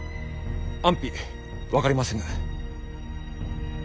安否分かりませぬ。